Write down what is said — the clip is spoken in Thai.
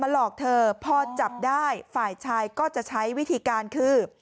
หลอกเธอพอจับได้ฝ่ายชายก็จะใช้วิธีการคือ